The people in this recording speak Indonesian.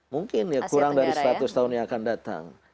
mungkin ya kurang dari seratus tahunnya akan datang